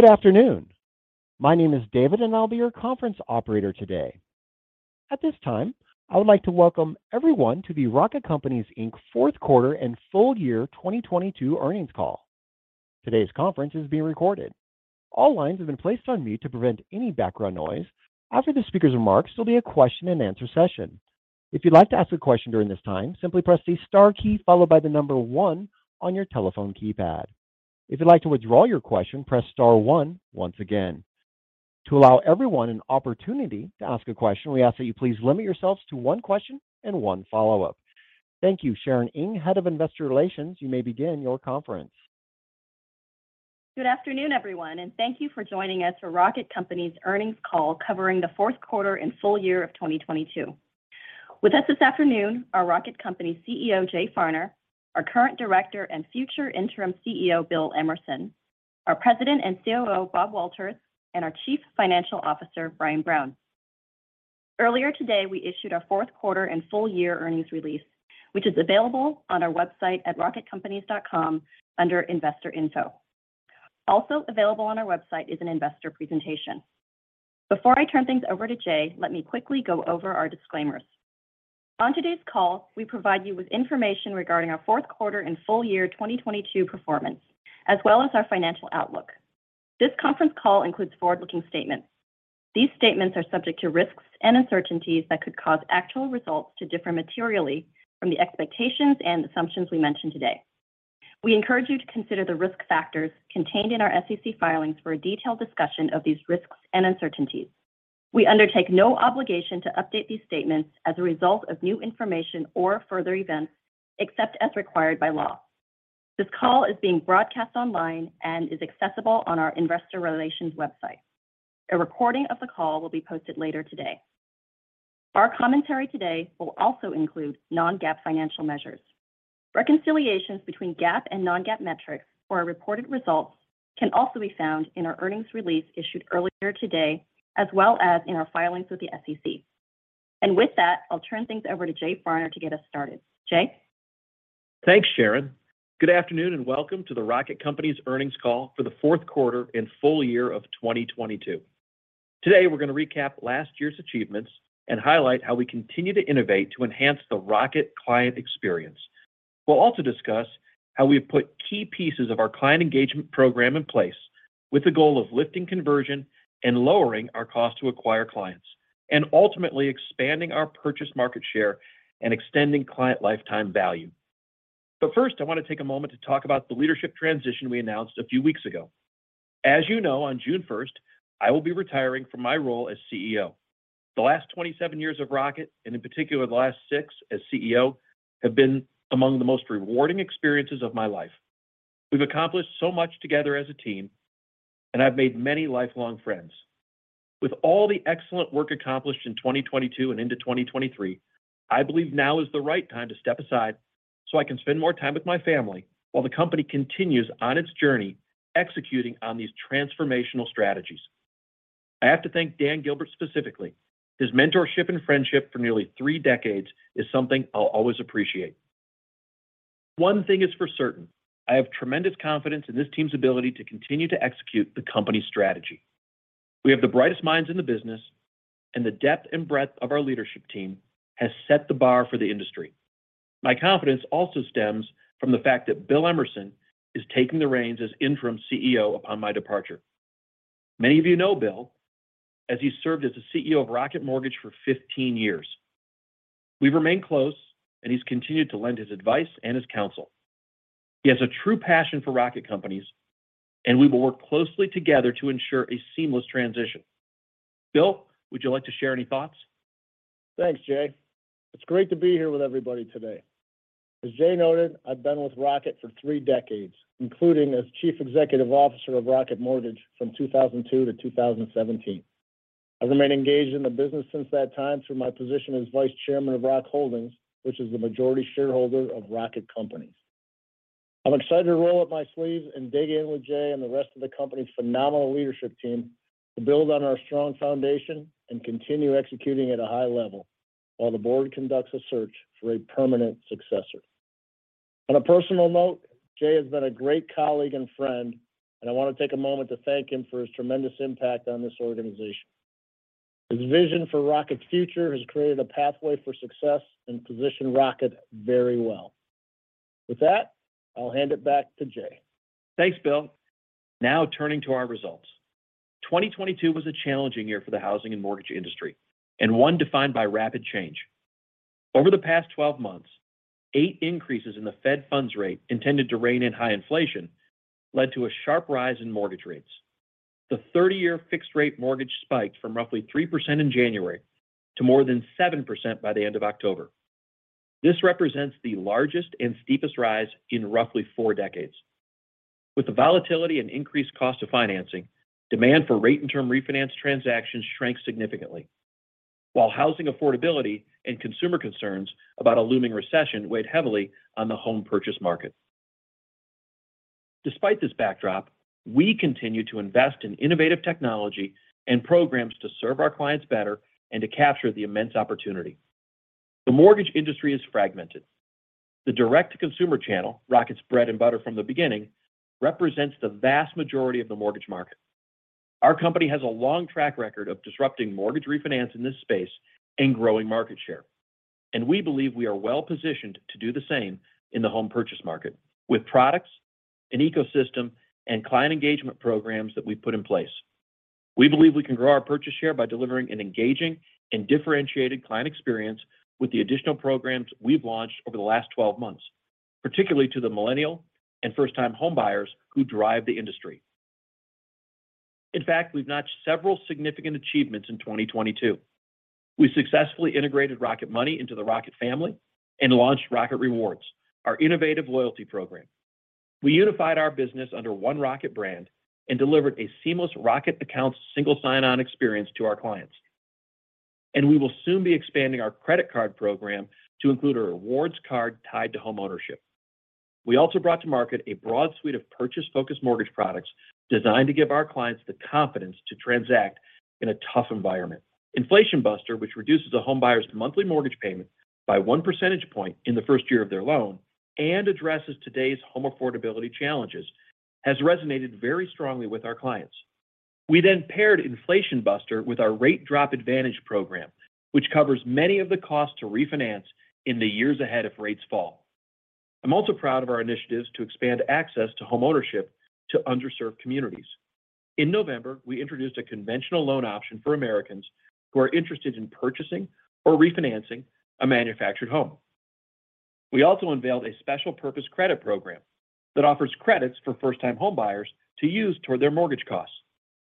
Good afternoon. My name is David, and I'll be your conference operator today. At this time, I would like to welcome everyone to the Rocket Companies, Inc.'s fourth quarter and full year 2022 earnings call. Today's conference is being recorded. All lines have been placed on mute to prevent any background noise. After the speaker's remarks, there'll be a question-and-answer session. If you'd like to ask a question during this time, simply press the star key followed by the number one on your telephone keypad. If you'd like to withdraw your question, press star one once again. To allow everyone an opportunity to ask a question, we ask that you please limit yourselves to one question and one follow-up. Thank you. Sharon Ng, Head of Investor Relations, you may begin your conference. Good afternoon, everyone, and thank you for joining us for Rocket Companies' earnings call covering the fourth quarter and full year of 2022. With us this afternoon, our Rocket Company CEO, Jay Farner, our current director and future interim CEO, Bill Emerson, our President and COO, Bob Walters, and our Chief Financial Officer, Brian Brown. Earlier today, we issued our fourth quarter and full year earnings release, which is available on our website at rocketcompanies.com under Investor Info. Also available on our website is an investor presentation. Before I turn things over to Jay, let me quickly go over our disclaimers. On today's call, we provide you with information regarding our fourth quarter and full year 2022 performance, as well as our financial outlook. This conference call includes forward-looking statements. These statements are subject to risks and uncertainties that could cause actual results to differ materially from the expectations and assumptions we mention today. We encourage you to consider the risk factors contained in our SEC filings for a detailed discussion of these risks and uncertainties. We undertake no obligation to update these statements as a result of new information or further events, except as required by law. This call is being broadcast online and is accessible on our investor relations website. A recording of the call will be posted later today. Our commentary today will also include non-GAAP financial measures. Reconciliations between GAAP and non-GAAP metrics for our reported results can also be found in our earnings release issued earlier today, as well as in our filings with the SEC. With that, I'll turn things over to Jay Farner to get us started. Jay? Thanks, Sharon. Good afternoon, welcome to the Rocket Companies earnings call for the fourth quarter and full year of 2022. Today, we're going to recap last year's achievements and highlight how we continue to innovate to enhance the Rocket client experience. We'll also discuss how we've put key pieces of our client engagement program in place with the goal of lifting conversion and lowering our cost to acquire clients, and ultimately expanding our purchase market share and extending client lifetime value. First, I want to take a moment to talk about the leadership transition we announced a few weeks ago. As you know, on June 1st, I will be retiring from my role as CEO. The last 27 years of Rocket, and in particular the last six as CEO, have been among the most rewarding experiences of my life. We've accomplished so much together as a team, and I've made many lifelong friends. With all the excellent work accomplished in 2022 and into 2023, I believe now is the right time to step aside so I can spend more time with my family while the company continues on its journey executing on these transformational strategies. I have to thank Daniel Gilbert specifically. His mentorship and friendship for nearly three decades is something I'll always appreciate. One thing is for certain, I have tremendous confidence in this team's ability to continue to execute the company's strategy. We have the brightest minds in the business, and the depth and breadth of our leadership team has set the bar for the industry. My confidence also stems from the fact that Bill Emerson is taking the reins as interim CEO upon my departure. Many of you know Bill, as he served as the CEO of Rocket Mortgage for 15 years. We've remained close, and he's continued to lend his advice and his counsel. He has a true passion for Rocket Companies, and we will work closely together to ensure a seamless transition. Bill, would you like to share any thoughts? Thanks, Jay. It's great to be here with everybody today. As Jay noted, I've been with Rocket for three decades, including as Chief Executive Officer of Rocket Mortgage from 2002 to 2017. I remain engaged in the business since that time through my position as Vice Chairman of Rock Holdings, which is the majority shareholder of Rocket Companies. I'm excited to roll up my sleeves and dig in with Jay and the rest of the company's phenomenal leadership team to build on our strong foundation and continue executing at a high level while the board conducts a search for a permanent successor. On a personal note, Jay has been a great colleague and friend, and I want to take a moment to thank him for his tremendous impact on this organization. His vision for Rocket's future has created a pathway for success and positioned Rocket very well. With that, I'll hand it back to Jay. Thanks, Bill. Turning to our results. 2022 was a challenging year for the housing and mortgage industry and one defined by rapid change. Over the past 12 months, eight increases in the Fed funds rate intended to rein in high inflation led to a sharp rise in mortgage rates. The 30-year fixed-rate mortgage spiked from roughly 3% in January to more than 7% by the end of October. This represents the largest and steepest rise in roughly four decades. With the volatility and increased cost of financing, demand for rate and term refinance transactions shrank significantly while housing affordability and consumer concerns about a looming recession weighed heavily on the home purchase market. Despite this backdrop, we continue to invest in innovative technology and programs to serve our clients better and to capture the immense opportunity. The mortgage industry is fragmented. The direct consumer channel, Rocket's bread and butter from the beginning, represents the vast majority of the mortgage market. Our company has a long track record of disrupting mortgage refinance in this space and growing market share. We believe we are well-positioned to do the same in the home purchase market with products, an ecosystem, and client engagement programs that we've put in place. We believe we can grow our purchase share by delivering an engaging and differentiated client experience with the additional programs we've launched over the last 12 months, particularly to the millennial and first-time homebuyers who drive the industry. In fact, we've notched several significant achievements in 2022. We successfully integrated Rocket Money into the Rocket family and launched Rocket Rewards, our innovative loyalty program. We unified our business under one Rocket brand and delivered a seamless Rocket Account single sign-on experience to our clients. We will soon be expanding our credit card program to include a rewards card tied to homeownership. We also brought to market a broad suite of purchase-focused mortgage products designed to give our clients the confidence to transact in a tough environment. Inflation Buster, which reduces a homebuyer's monthly mortgage payment by 1% point in the first year of their loan and addresses today's home affordability challenges, has resonated very strongly with our clients. We paired Inflation Buster with our Rate Drop Advantage Program, which covers many of the costs to refinance in the years ahead if rates fall. I'm also proud of our initiatives to expand access to homeownership to underserved communities. In November, we introduced a conventional loan option for Americans who are interested in purchasing or refinancing a manufactured home. We also unveiled a special purpose credit program that offers credits for first-time homebuyers to use toward their mortgage costs,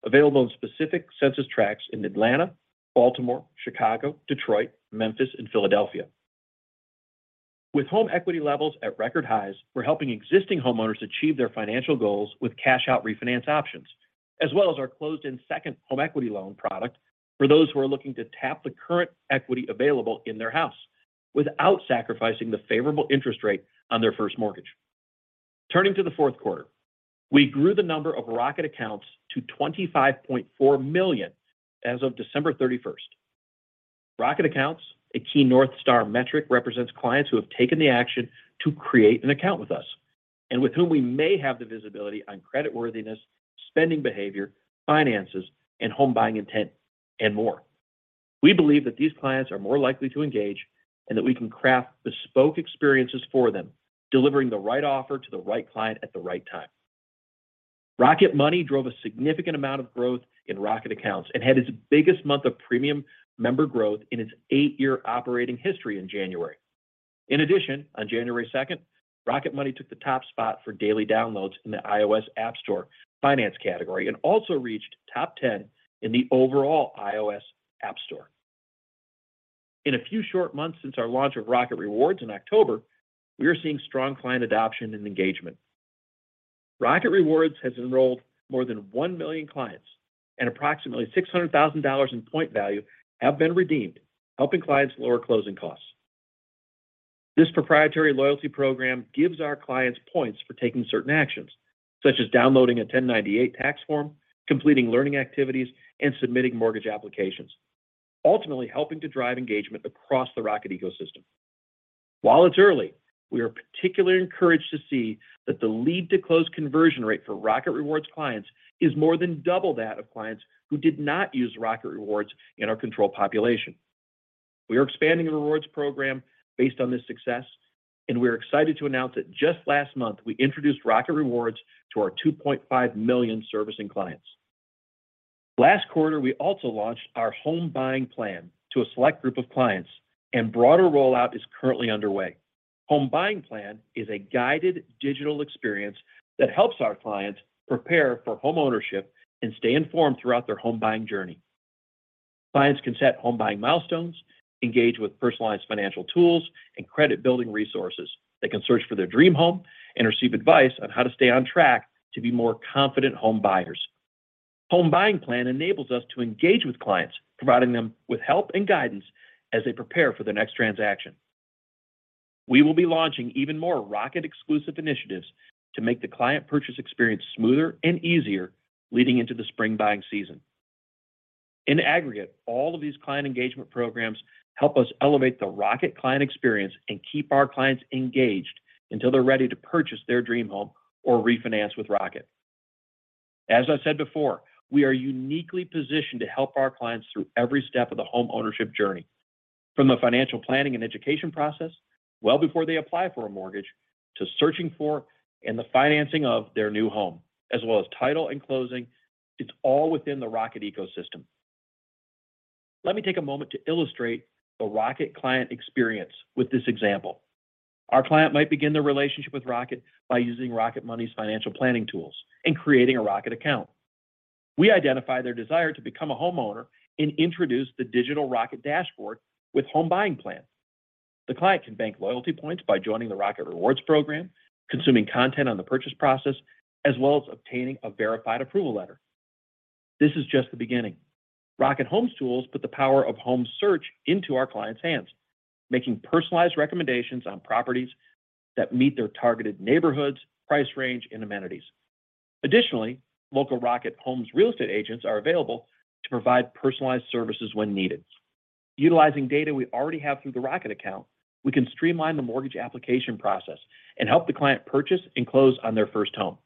available in specific census tracts in Atlanta, Baltimore, Chicago, Detroit, Memphis, and Philadelphia. With home equity levels at record highs, we're helping existing homeowners achieve their financial goals with cash-out refinance options, as well as our closed-in second home equity loan product for those who are looking to tap the current equity available in their house without sacrificing the favorable interest rate on their first mortgage. Turning to the fourth quarter, we grew the number of Rocket Accounts to 25.4 million as of December 31st. Rocket Accounts, a key North Star metric, represents clients who have taken the action to create an account with us and with whom we may have the visibility on creditworthiness, spending behavior, finances, and home buying intent, and more. We believe that these clients are more likely to engage and that we can craft bespoke experiences for them, delivering the right offer to the right client at the right time. Rocket Money drove a significant amount of growth in Rocket Accounts and had its biggest month of premium member growth in its eight-year operating history in January. In addition, on January 2nd, Rocket Money took the top spot for daily downloads in the iOS App Store finance category and also reached top 10 in the overall iOS App Store. In a few short months since our launch of Rocket Rewards in October, we are seeing strong client adoption and engagement. Rocket Rewards has enrolled more than one million clients and approximately $600,000 in point value have been redeemed, helping clients lower closing costs. This proprietary loyalty program gives our clients points for taking certain actions, such as downloading a 1098 tax form, completing learning activities, and submitting mortgage applications, ultimately helping to drive engagement across the Rocket ecosystem. While it's early, we are particularly encouraged to see that the lead-to-close conversion rate for Rocket Rewards clients is more than double that of clients who did not use Rocket Rewards in our control population. We're excited to announce that just last month, we introduced Rocket Rewards to our 2.5 million servicing clients. Last quarter, we also launched our Home Buying Plan to a select group of clients. Broader rollout is currently underway. Home Buying Plan is a guided digital experience that helps our clients prepare for homeownership and stay informed throughout their home buying journey. Clients can set home buying milestones, engage with personalized financial tools and credit building resources. They can search for their dream home and receive advice on how to stay on track to be more confident homebuyers. Home Buying Plan enables us to engage with clients, providing them with help and guidance as they prepare for their next transaction. We will be launching even more Rocket exclusive initiatives to make the client purchase experience smoother and easier leading into the spring buying season. In aggregate, all of these client engagement programs help us elevate the Rocket client experience and keep our clients engaged until they're ready to purchase their dream home or refinance with Rocket. As I said before, we are uniquely positioned to help our clients through every step of the homeownership journey. From the financial planning and education process well before they apply for a mortgage to searching for and the financing of their new home, as well as title and closing, it's all within the Rocket ecosystem. Let me take a moment to illustrate the Rocket client experience with this example. Our client might begin their relationship with Rocket by using Rocket Money's financial planning tools and creating a Rocket Account. We identify their desire to become a homeowner and introduce the digital Rocket Dashboard with Home Buying Plan. The client can bank loyalty points by joining the Rocket Rewards program, consuming content on the purchase process, as well as obtaining a Verified Approval letter. This is just the beginning. Rocket Homes tools put the power of home search into our clients' hands, making personalized recommendations on properties that meet their targeted neighborhoods, price range, and amenities. Additionally, local Rocket Homes real estate agents are available to provide personalized services when needed. Utilizing data we already have through the Rocket Account, we can streamline the mortgage application process and help the client purchase and close on their first home.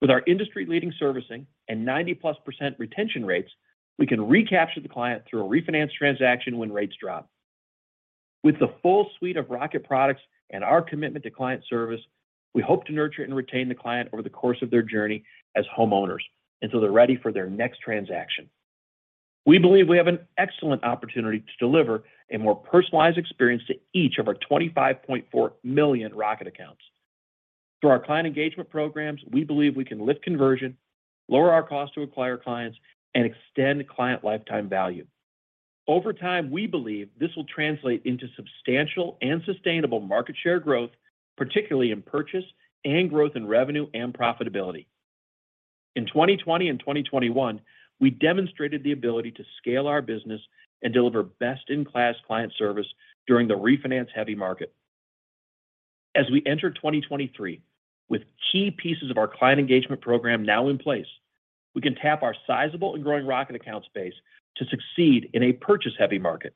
With our industry-leading servicing and 90+ % retention rates, we can recapture the client through a refinance transaction when rates drop. With the full suite of Rocket products and our commitment to client service, we hope to nurture and retain the client over the course of their journey as homeowners, until they're ready for their next transaction. We believe we have an excellent opportunity to deliver a more personalized experience to each of our 25.4 million Rocket Accounts. Through our client engagement programs, we believe we can lift conversion, lower our cost to acquire clients, and extend client lifetime value. Over time, we believe this will translate into substantial and sustainable market share growth, particularly in purchase and growth in revenue and profitability. In 2020 and 2021, we demonstrated the ability to scale our business and deliver best-in-class client service during the refinance-heavy market. As we enter 2023, with key pieces of our client engagement program now in place, we can tap our sizable and growing Rocket Account space to succeed in a purchase-heavy market.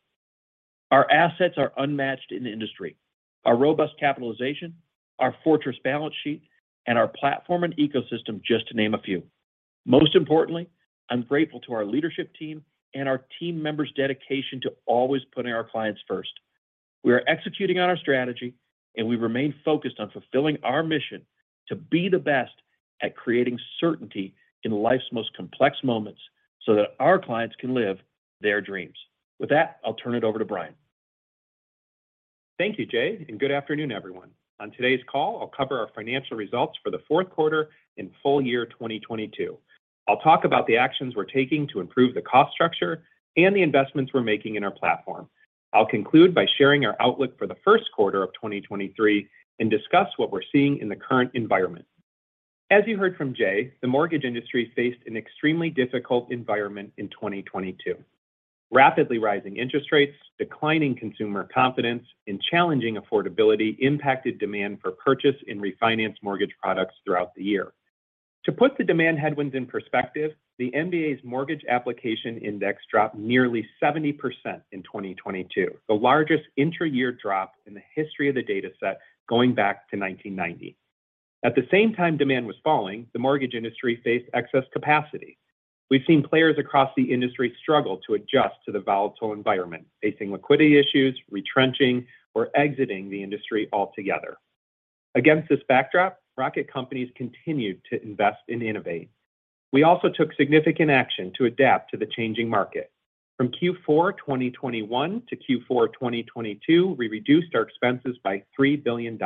Our assets are unmatched in the industry. Our robust capitalization, our fortress balance sheet, and our platform and ecosystem, just to name a few. Most importantly, I'm grateful to our leadership team and our team members' dedication to always putting our clients first. We are executing on our strategy. We remain focused on fulfilling our mission to be the best at creating certainty in life's most complex moments so that our clients can live their dreams. With that, I'll turn it over to Brian. Thank you, Jay. Good afternoon, everyone. On today's call, I'll cover our financial results for the fourth quarter and full year 2022. I'll talk about the actions we're taking to improve the cost structure and the investments we're making in our platform. I'll conclude by sharing our outlook for the first quarter of 2023 and discuss what we're seeing in the current environment. As you heard from Jay, the mortgage industry faced an extremely difficult environment in 2022. Rapidly rising interest rates, declining consumer confidence, and challenging affordability impacted demand for purchase in refinance mortgage products throughout the year. To put the demand headwinds in perspective, the MBA's mortgage application index dropped nearly 70% in 2022, the largest intra-year drop in the history of the data set going back to 1990. At the same time demand was falling, the mortgage industry faced excess capacity. We've seen players across the industry struggle to adjust to the volatile environment, facing liquidity issues, retrenching, or exiting the industry altogether. Against this backdrop, Rocket Companies continued to invest and innovate. We also took significant action to adapt to the changing market. From Q4 2021 - Q4 2022, we reduced our expenses by $3 billion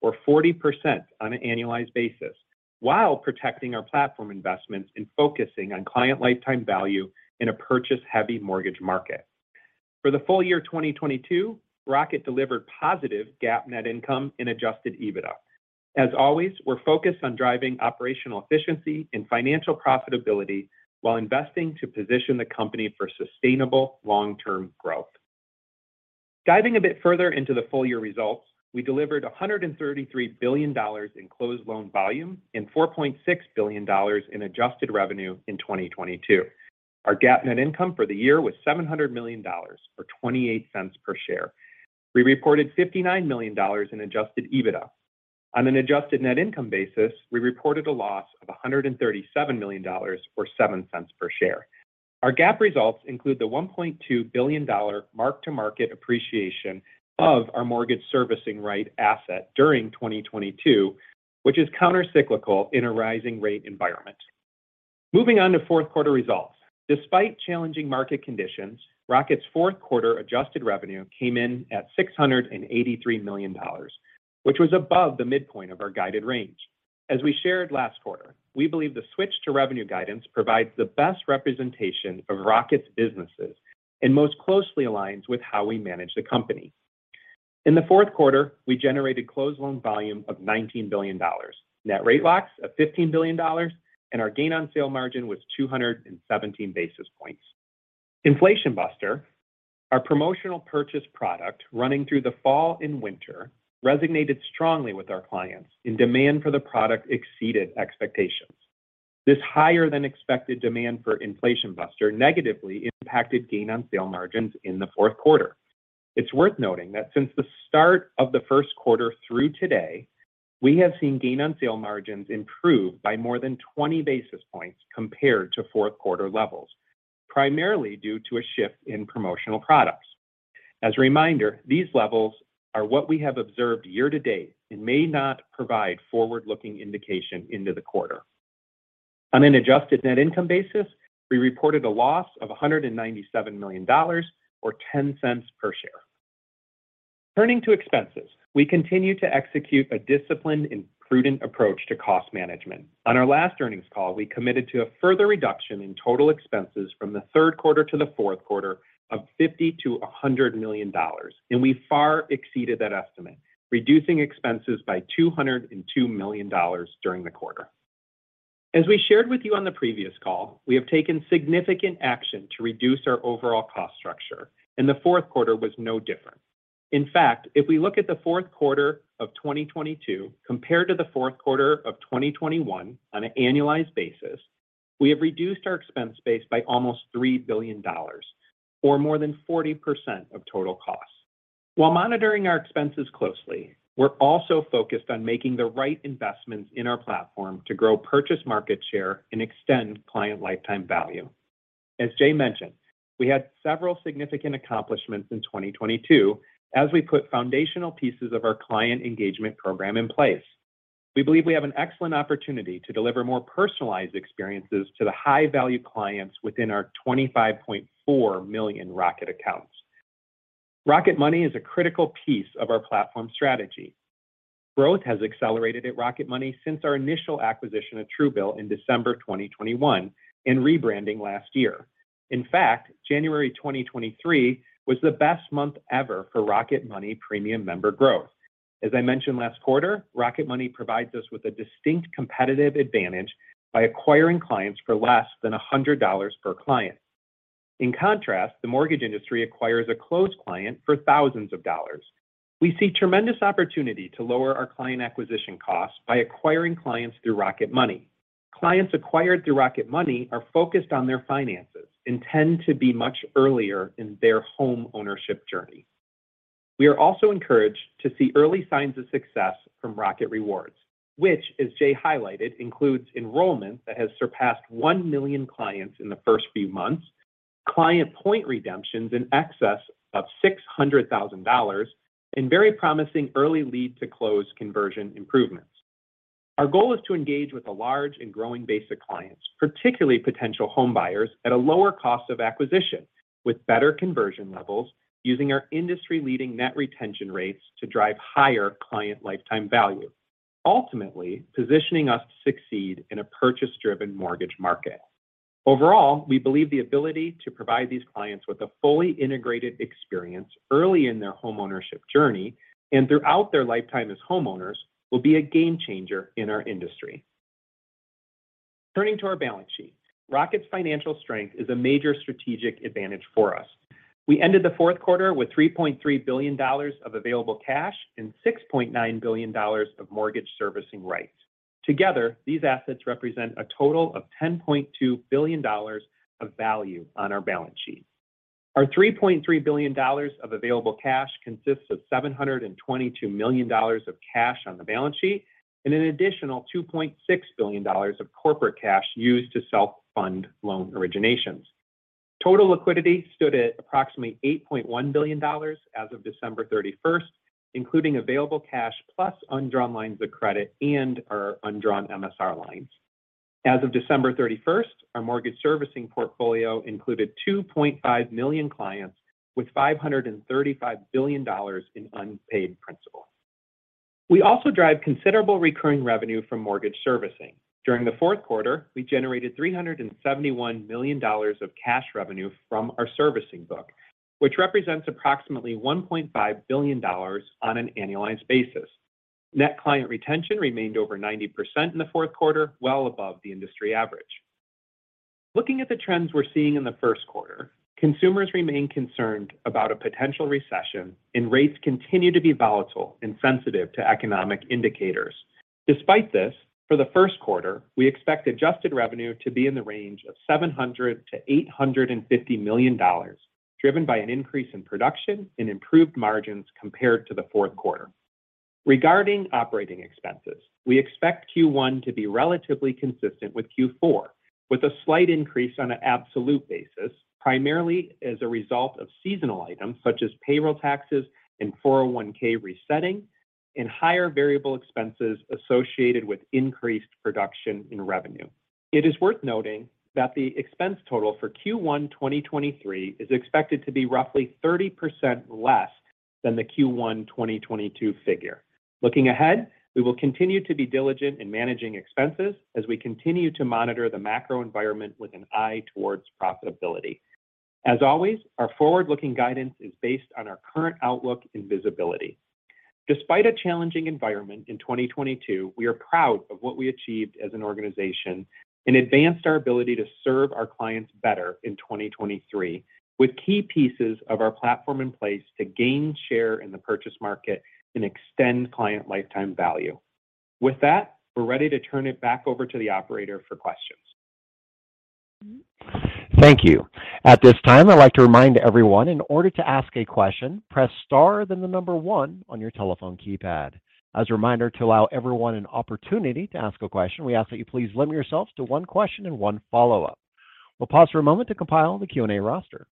or 40% on an annualized basis while protecting our platform investments and focusing on client lifetime value in a purchase-heavy mortgage market. For the full year 2022, Rocket delivered positive GAAP net income and Adjusted EBITDA. As always, we're focused on driving operational efficiency and financial profitability while investing to position the company for sustainable long-term growth. Diving a bit further into the full year results, we delivered $133 billion in closed loan volume and $4.6 billion in adjusted revenue in 2022. Our GAAP net income for the year was $700 million, or $0.28 per share. We reported $59 million in Adjusted EBITDA. On an adjusted net income basis, we reported a loss of $137 million, or $0.07 per share. Our GAAP results include the $1.2 billion mark-to-market appreciation of our mortgage servicing right asset during 2022, which is countercyclical in a rising rate environment. Moving on to fourth quarter results. Despite challenging market conditions, Rocket's fourth quarter adjusted revenue came in at $683 million, which was above the midpoint of our guided range. As we shared last quarter, we believe the switch to revenue guidance provides the best representation of Rocket's businesses and most closely aligns with how we manage the company. In the fourth quarter, we generated closed loan volume of $19 billion, net rate locks of $15 billion, and our gain on sale margin was 217 basis points. Inflation Buster, our promotional purchase product running through the fall and winter, resonated strongly with our clients, and demand for the product exceeded expectations. This higher than expected demand for Inflation Buster negatively impacted gain on sale margins in the fourth quarter. It's worth noting that since the start of the first quarter through today, we have seen gain on sale margins improve by more than 20 basis points compared to fourth quarter levels, primarily due to a shift in promotional products. As a reminder, these levels are what we have observed year to date and may not provide forward-looking indication into the quarter. On an adjusted net income basis, we reported a loss of $197 million, or $0.10 per share. Turning to expenses, we continue to execute a disciplined and prudent approach to cost management. We committed to a further reduction in total expenses from the third quarter to the fourth quarter of $50 million-$100 million, and we far exceeded that estimate, reducing expenses by $202 million during the quarter. As we shared with you on the previous call, we have taken significant action to reduce our overall cost structure, and the fourth quarter was no different. In fact, if we look at the fourth quarter of 2022 compared to the fourth quarter of 2021 on an annualized basis, we have reduced our expense base by almost $3 billion or more than 40% of total costs. While monitoring our expenses closely, we're also focused on making the right investments in our platform to grow purchase market share and extend client lifetime value. As Jay mentioned, we had several significant accomplishments in 2022 as we put foundational pieces of our client engagement program in place. We believe we have an excellent opportunity to deliver more personalized experiences to the high-value clients within our 25.4 million Rocket accounts. Rocket Money is a critical piece of our platform strategy. Growth has accelerated at Rocket Money since our initial acquisition of Truebill in December 2021 and rebranding last year. In fact, January 2023 was the best month ever for Rocket Money premium member growth. As I mentioned last quarter, Rocket Money provides us with a distinct competitive advantage by acquiring clients for less than $100 per client. In contrast, the mortgage industry acquires a closed client for thousands of dollars. We see tremendous opportunity to lower our client acquisition costs by acquiring clients through Rocket Money. Clients acquired through Rocket Money are focused on their finances and tend to be much earlier in their homeownership journey. We are also encouraged to see early signs of success from Rocket Rewards, which, as Jay highlighted, includes enrollment that has surpassed one million clients in the first few months, client point redemptions in excess of $600,000, and very promising early lead-to-close conversion improvements. Our goal is to engage with a large and growing base of clients, particularly potential homebuyers, at a lower cost of acquisition with better conversion levels using our industry-leading net retention rates to drive higher client lifetime value, ultimately positioning us to succeed in a purchase-driven mortgage market. We believe the ability to provide these clients with a fully integrated experience early in their homeownership journey and throughout their lifetime as homeowners will be a game changer in our industry. Turning to our balance sheet, Rocket's financial strength is a major strategic advantage for us. We ended the fourth quarter with $3.3 billion of available cash and $6.9 billion of mortgage servicing rights. Together, these assets represent a total of $10.2 billion of value on our balance sheet. Our $3.3 billion of available cash consists of $722 million of cash on the balance sheet and an additional $2.6 billion of corporate cash used to self-fund loan originations. Total liquidity stood at approximately $8.1 billion as of December 31st, including available cash plus undrawn lines of credit and our undrawn MSR lines. As of December 31st, our mortgage servicing portfolio included 2.5 million clients with $535 billion in unpaid principal. We also drive considerable recurring revenue from mortgage servicing. During the fourth quarter, we generated $371 million of cash revenue from our servicing book, which represents approximately $1.5 billion on an annualized basis. Net client retention remained over 90% in the fourth quarter, well above the industry average. Looking at the trends we're seeing in the first quarter, consumers remain concerned about a potential recession, rates continue to be volatile and sensitive to economic indicators. Despite this, for the first quarter, we expect adjusted revenue to be in the range of $700 million-$850 million, driven by an increase in production and improved margins compared to the fourth quarter. Regarding operating expenses, we expect Q1 to be relatively consistent with Q4, with a slight increase on an absolute basis, primarily as a result of seasonal items such as payroll taxes and 401(k) resetting and higher variable expenses associated with increased production in revenue. It is worth noting that the expense total for Q1 2023 is expected to be roughly 30% less than the Q1 2022 figure. Looking ahead, we will continue to be diligent in managing expenses as we continue to monitor the macro environment with an eye towards profitability. As always, our forward-looking guidance is based on our current outlook and visibility. Despite a challenging environment in 2022, we are proud of what we achieved as an organization and advanced our ability to serve our clients better in 2023, with key pieces of our platform in place to gain share in the purchase market and extend client lifetime value. With that, we're ready to turn it back over to the operator for questions. Thank you. At this time, I'd like to remind everyone in order to ask a question, press star, then the number one on your telephone keypad. As a reminder to allow everyone an opportunity to ask a question, we ask that you please limit yourselves to one question and one follow-up. We'll pause for a moment to compile the Q&A roster.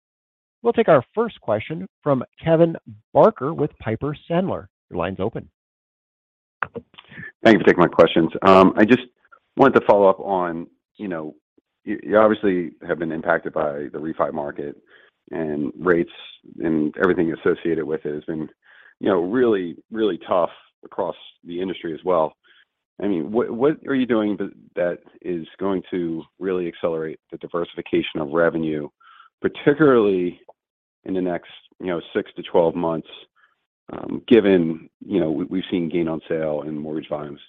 We'll take our first question from Kevin Barker with Piper Sandler. Your line's open. Thank you for taking my questions. I just wanted to follow up on, you know, you obviously have been impacted by the refi market and rates and everything associated with it. It's been, you know, really, really tough across the industry as well. I mean, what are you doing that is going to really accelerate the diversification of revenue, particularly in the next, you know, six -12 months, given, you know, we've seen gain on sale and mortgage volumes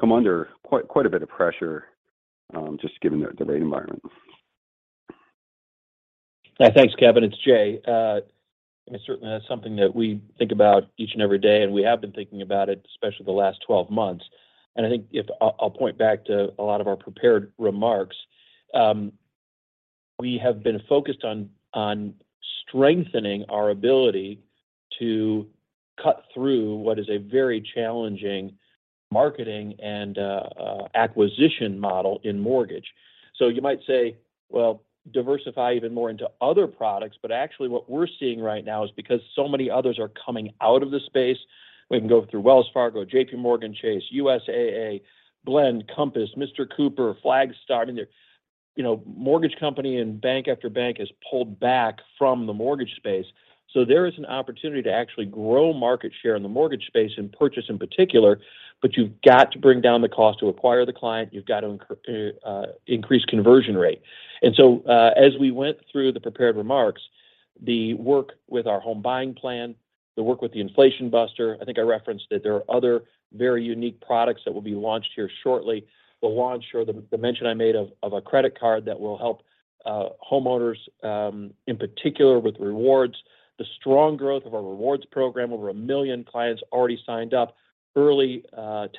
come under quite a bit of pressure, just given the rate environment? Thanks, Kevin. It's Jay. Certainly that's something that we think about each and every day, and we have been thinking about it, especially the last 12 months. I think if I'll point back to a lot of our prepared remarks. We have been focused on strengthening our ability to cut through what is a very challenging marketing and acquisition model in mortgage. You might say, well, diversify even more into other products. Actually what we're seeing right now is because so many others are coming out of the space. We can go through Wells Fargo, JPMorgan Chase, USAA, Blend, Compass, Mr. Cooper, Flagstar. I mean, you know, mortgage company and bank after bank has pulled back from the mortgage space. There is an opportunity to actually grow market share in the mortgage space and purchase in particular. You've got to bring down the cost to acquire the client. You've got to increase conversion rate. As we went through the prepared remarks, the work with our Home Buying Plan, the work with the Inflation Buster, I think I referenced that there are other very unique products that will be launched here shortly. The launch or the mention I made of a credit card that will help homeowners in particular with rewards. The strong growth of our rewards program, over one million clients already signed up. Early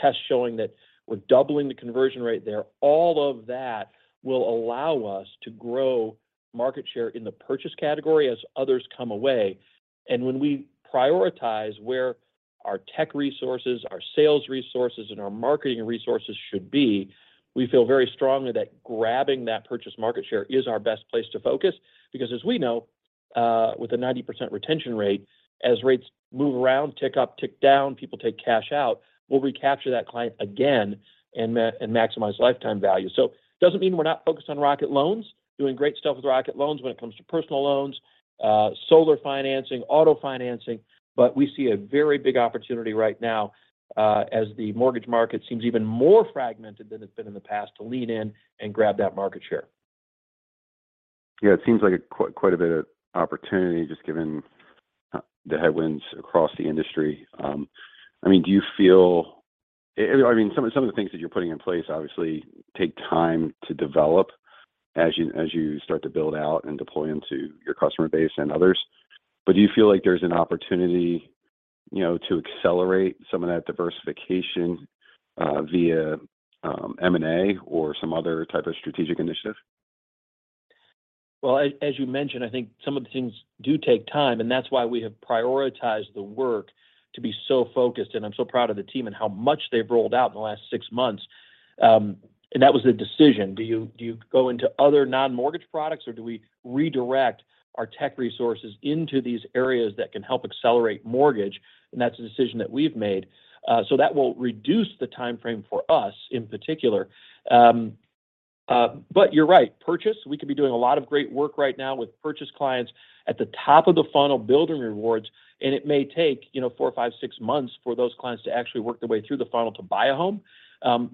tests showing that we're doubling the conversion rate there. All of that will allow us to grow market share in the purchase category as others come away. When we prioritize where our tech resources, our sales resources, and our marketing resources should be, we feel very strongly that grabbing that purchase market share is our best place to focus. As we know, with a 90% retention rate, as rates move around, tick up, tick down, people take cash out, we'll recapture that client again and maximize lifetime value. Doesn't mean we're not focused on Rocket Loans, doing great stuff with Rocket Loans when it comes to personal loans, solar financing, auto financing. We see a very big opportunity right now, as the mortgage market seems even more fragmented than it's been in the past to lean in and grab that market share. Yeah, it seems like quite a bit of opportunity just given the headwinds across the industry. I mean, do you feel some of the things that you're putting in place obviously take time to develop as you start to build out and deploy into your customer base and others. Do you feel like there's an opportunity, you know, to accelerate some of that diversification via M&A or some other type of strategic initiative? Well, as you mentioned, I think some of the things do take time, and that's why we have prioritized the work to be so focused, and I'm so proud of the team and how much they've rolled out in the last six months. That was the decision. Do you go into other non-mortgage products, or do we redirect our tech resources into these areas that can help accelerate mortgage? That's a decision that we've made. That will reduce the timeframe for us in particular. You're right. Purchase, we could be doing a lot of great work right now with purchase clients at the top of the funnel building rewards, and it may take, you know, four, five, six months for those clients to actually work their way through the funnel to buy a home.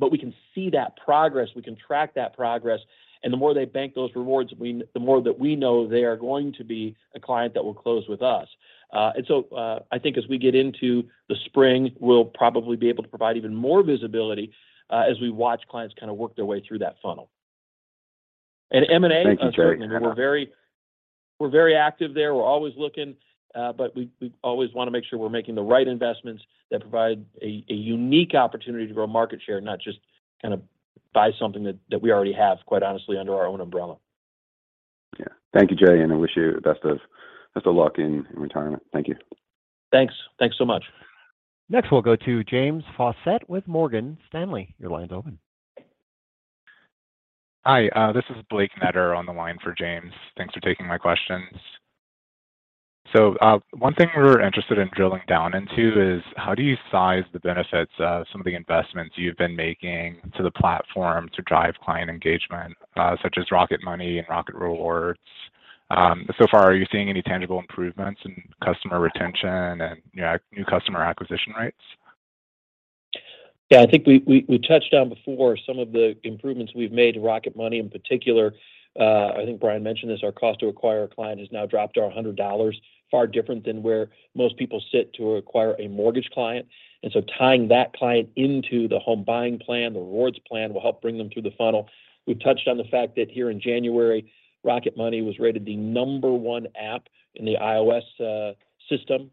We can see that progress, we can track that progress, the more they bank those rewards, the more that we know they are going to be a client that will close with us. I think as we get into the spring, we'll probably be able to provide even more visibility, as we watch clients kind of work their way through that funnel. M&A. Thank you, Jay. We're very active there. We're always looking, we always want to make sure we're making the right investments that provide a unique opportunity to grow market share, not just kind of buy something that we already have, quite honestly, under our own umbrella. Yeah. Thank you, Jay, and I wish you the best of luck in retirement. Thank you. Thanks. Thanks so much. Next, we'll go to James Faucette with Morgan Stanley. Your line's open. Hi, this is Blake Netter on the line for James. Thanks for taking my questions. One thing we're interested in drilling down into is how do you size the benefits of some of the investments you've been making to the platform to drive client engagement, such as Rocket Money and Rocket Rewards. So far, are you seeing any tangible improvements in customer retention and new customer acquisition rates? Yeah, I think we touched on before some of the improvements we've made to Rocket Money in particular. I think Brian mentioned this, our cost to acquire a client has now dropped to $100, far different than where most people sit to acquire a mortgage client. Tying that client into the Home Buying Plan, the rewards plan will help bring them through the funnel. We've touched on the fact that here in January, Rocket Money was rated the number one app in the iOS system.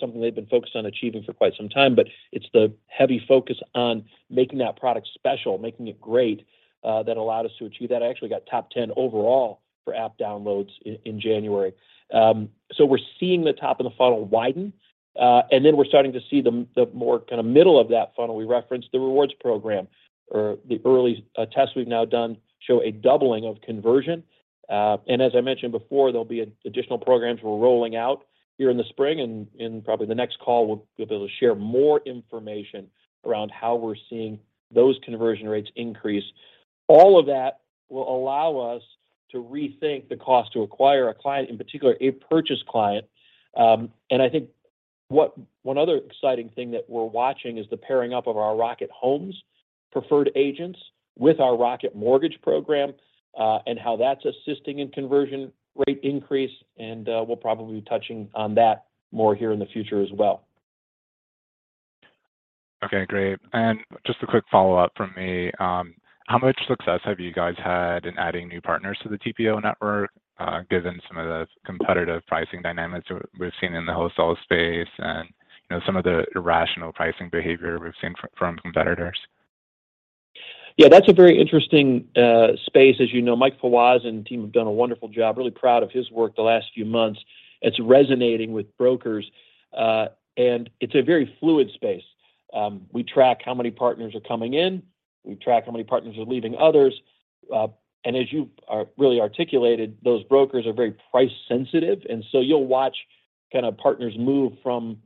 Something they've been focused on achieving for quite some time. It's the heavy focus on making that product special, making it great, that allowed us to achieve that. Actually got top 10 overall for app downloads in January. We're seeing the top of the funnel widen, we're starting to see the more kind of middle of that funnel. We referenced the Rocket Rewards program. The early tests we've now done show a doubling of conversion. As I mentioned before, there'll be additional programs we're rolling out here in the spring. Probably the next call, we'll be able to share more information around how we're seeing those conversion rates increase. All of that will allow us to rethink the cost to acquire a client, in particular a purchase client. I think one other exciting thing that we're watching is the pairing up of our Rocket Homes preferred agents with our Rocket Mortgage program, and how that's assisting in conversion rate increase, and we'll probably be touching on that more here in the future as well. Okay, great. Just a quick follow-up from me. How much success have you guys had in adding new partners to the TPO network, given some of the competitive pricing dynamics we've seen in the wholesale space and, you know, some of the irrational pricing behavior we've seen from competitors? Yeah, that's a very interesting space. As you know, Mike Fawaz and team have done a wonderful job. Really proud of his work the last few months. It's resonating with brokers, and it's a very fluid space. We track how many partners are coming in. We track how many partners are leaving others. As you really articulated, those brokers are very price sensitive. You'll watch kind of partners move from,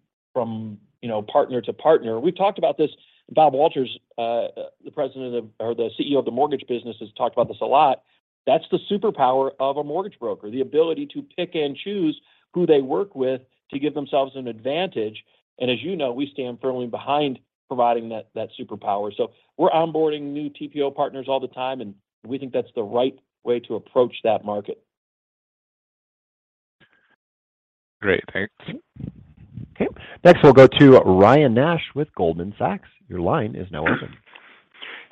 you know, partner to partner. We've talked about this. Robert Walters, the President of or the CEO of the mortgage business, has talked about this a lot. That's the superpower of a mortgage broker, the ability to pick and choose who they work with to give themselves an advantage. As you know, we stand firmly behind providing that superpower. We're onboarding new TPO partners all the time, and we think that's the right way to approach that market. Great. Thanks. Next, we'll go to Ryan Nash with Goldman Sachs. Your line is now open.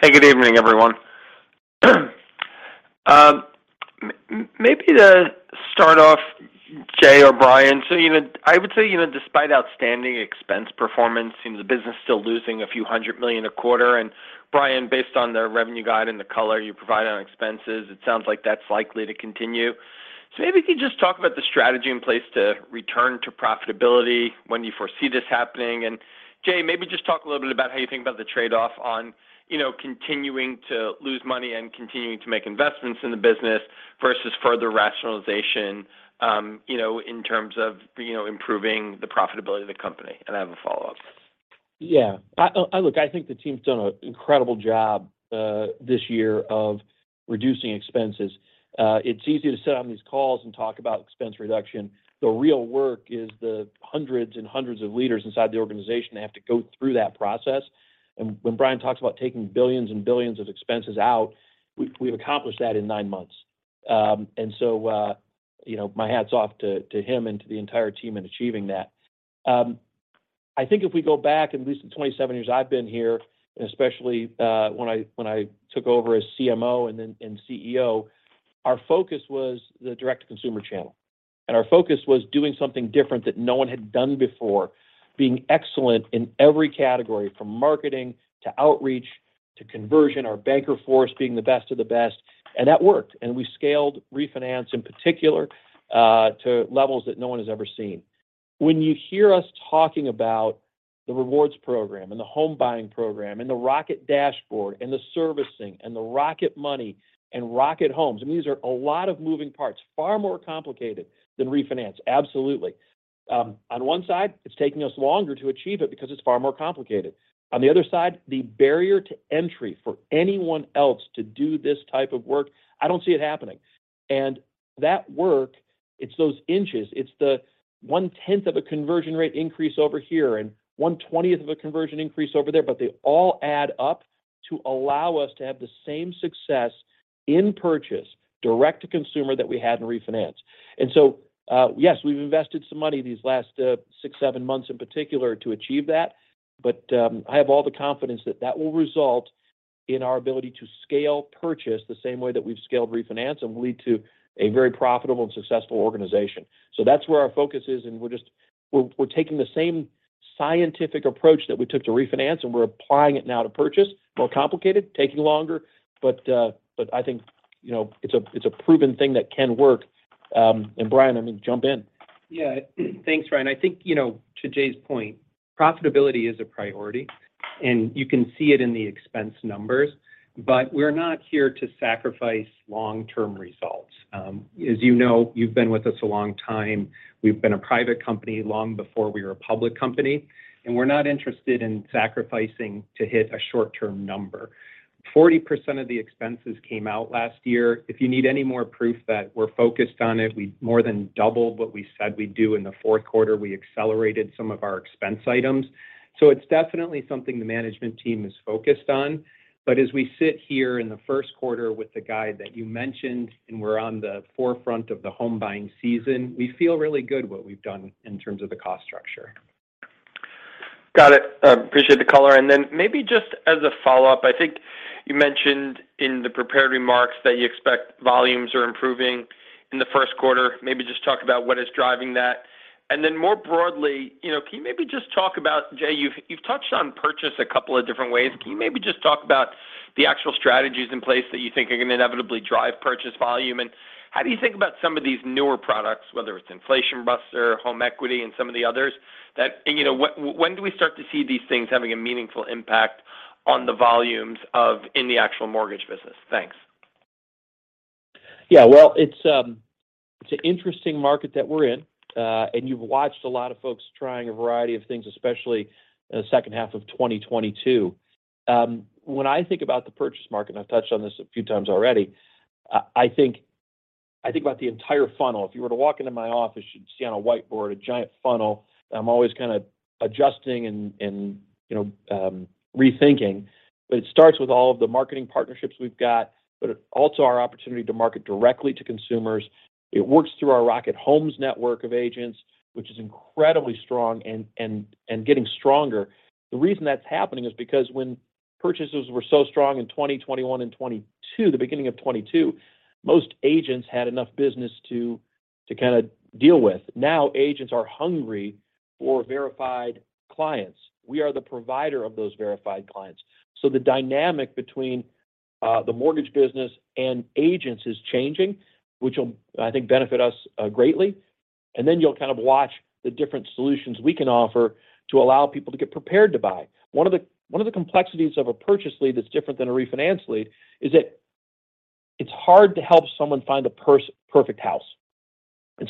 Hey, good evening, everyone. Maybe to start off, Jay or Brian, I would say, you know, despite outstanding expense performance, it seems the business is still losing a few $100 million a quarter. Brian, based on the revenue guide and the color you provide on expenses, it sounds like that's likely to continue. Maybe if you could just talk about the strategy in place to return to profitability, when you foresee this happening. Jay, maybe just talk a little bit about how you think about the trade-off on, you know, continuing to lose money and continuing to make investments in the business versus further rationalization, you know, in terms of, you know, improving the profitability of the company. I have a follow-up. Yeah. I Look, I think the team's done an incredible job this year of reducing expenses. It's easy to sit on these calls and talk about expense reduction. The real work is the hundreds and hundreds of leaders inside the organization that have to go through that process. When Brian talks about taking $billions and $billions of expenses out, we've accomplished that in nine months. So, you know, my hat's off to him and to the entire team in achieving that. I think if we go back at least the 27 years I've been here, especially when I took over as CMO and then, and CEO, our focus was the direct-to-consumer channel. Our focus was doing something different that no one had done before, being excellent in every category, from marketing to outreach to conversion, our banker force being the best of the best. That worked. We scaled refinance in particular to levels that no one has ever seen. When you hear us talking about the rewards program and the home buying program and the Rocket Dashboard and the servicing and the Rocket Money and Rocket Homes, I mean, these are a lot of moving parts, far more complicated than refinance, absolutely. On one side, it's taking us longer to achieve it because it's far more complicated. On the other side, the barrier to entry for anyone else to do this type of work, I don't see it happening. That work, it's those inches. It's the one-10th of a conversion rate increase over here and one-20th of a conversion increase over there. They all add up to allow us to have the same success in purchase direct-to-consumer that we had in refinance. Yes, we've invested some money these last six, seven months in particular to achieve that. I have all the confidence that that will result in our ability to scale purchase the same way that we've scaled refinance and will lead to a very profitable and successful organization. That's where our focus is, and we're just taking the same scientific approach that we took to refinance, and we're applying it now to purchase. More complicated, taking longer, but I think, you know, it's a, it's a proven thing that can work. Brian, I mean, jump in. Yeah. Thanks, Ryan. I think, you know, to Jay's point, profitability is a priority, and you can see it in the expense numbers. We're not here to sacrifice long-term results. As you know, you've been with us a long time. We've been a private company long before we were a public company, and we're not interested in sacrificing to hit a short-term number. 40% of the expenses came out last year. If you need any more proof that we're focused on it, we more than doubled what we said we'd do in the fourth quarter. We accelerated some of our expense items. It's definitely something the management team is focused on. As we sit here in the first quarter with the guide that you mentioned, and we're on the forefront of the home buying season, we feel really good what we've done in terms of the cost structure. Got it. Appreciate the color. Maybe just as a follow-up, I think you mentioned in the prepared remarks that you expect volumes are improving in the 1st quarter. Maybe just talk about what is driving that. More broadly, you know, can you maybe just talk about, Jay, you've touched on purchase a couple of different ways. Can you maybe just talk about the actual strategies in place that you think are going to inevitably drive purchase volume? How do you think about some of these newer products, whether it's Inflation Buster, Home Equity, and some of the others that, you know, when do we start to see these things having a meaningful impact on the volumes in the actual mortgage business? Thanks. Well, it's an interesting market that we're in, and you've watched a lot of folks trying a variety of things, especially in the second half of 2022. When I think about the purchase market, I've touched on this a few times already, I think about the entire funnel. If you were to walk into my office, you'd see on a whiteboard a giant funnel that I'm always kind of adjusting and, you know, rethinking. It starts with all of the marketing partnerships we've got, but also our opportunity to market direct-to-consumers. It works through our Rocket Homes network of agents, which is incredibly strong and getting stronger. The reason that's happening is because Purchases were so strong in 2021 and 2022, the beginning of 2022, most agents had enough business to kind of deal with. Now, agents are hungry for verified clients. We are the provider of those verified clients. The dynamic between the mortgage business and agents is changing, which will, I think, benefit us greatly. You'll kind of watch the different solutions we can offer to allow people to get prepared to buy. One of the complexities of a purchase lead that's different than a refinance lead is that it's hard to help someone find the perfect house.